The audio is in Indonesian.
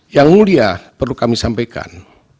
yang mulia perlu kami sampaikan